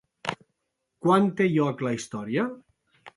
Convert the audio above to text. Quan té lloc la història?